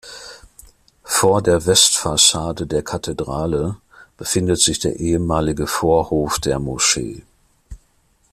Vor der Westfassade der Kathedrale befindet sich der ehemalige Vorhof der Moschee.